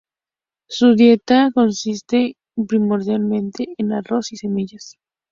Su dieta consiste primordialmente en arroz y semillas.